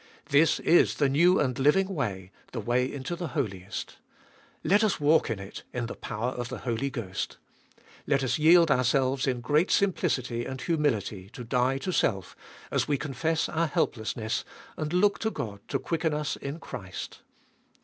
This is the new and living way, the way into the Holiest Let us walk in it, in the power of the Holy Ghost. Let us yield ourselves in great simplicity and humility to die to self, as we confess our helplessness, and look to God to quicken us in Christ.